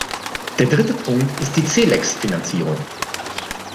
Der dritte Punkt ist die Celex-Finanzierung.